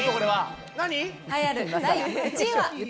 栄えある第１位は。